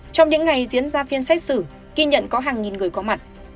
trong những ngày diễn ra phiên xét xử ghi nhận có hàng nghìn người có mặt